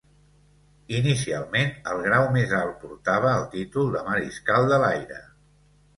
Inicialment, el grau més alt portava el títol de mariscal de l'aire.